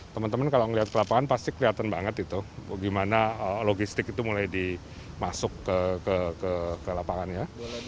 teman teman kalau melihat ke lapangan pasti kelihatan banget itu gimana logistik itu mulai dimasuk ke lapangannya